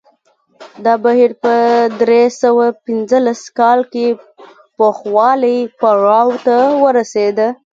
دا بهیر په درې سوه پنځلس کال کې پوخوالي پړاو ته ورسېد